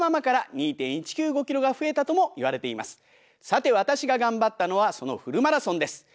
さてわたしががんばったのはそのフルマラソンです。